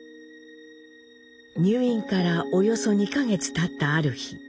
入院からおよそ２か月たったある日。